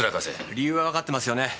理由はわかってますよね？